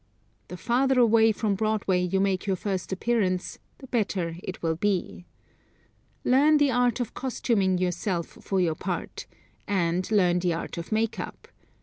The farther away from Broadway you make your first appearance the better it will be. Learn the art of costuming yourself for your part, and learn the art of makeup.